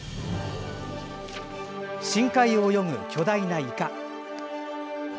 深海を泳ぐ巨大なイカ。